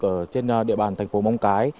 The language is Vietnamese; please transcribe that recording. ở trên địa bàn thành phố mong cái